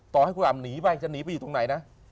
ต่อให้คุณอำหนีไปจะหนีไปอยู่ตรงไหนนะ